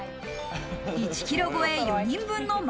１ｋｇ越え、４人分の麻辣